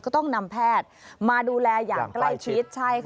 ต้องนำแพทย์มาดูแลอย่างใกล้ชิด